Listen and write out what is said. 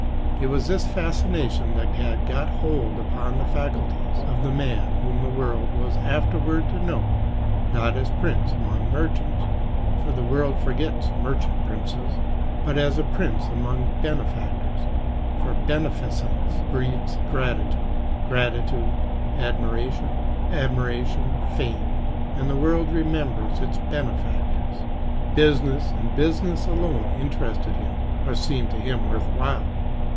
It was this fascination that had got hold upon the faculties of the man whom the world was afterward to know, not as a prince among merchants—for the world forgets merchant princes—but as a prince among benefactors; for beneficence breeds gratitude, gratitude admiration, admiration fame, and the world remembers its benefactors. Business, and business alone, interested him, or seemed to him worthwhile.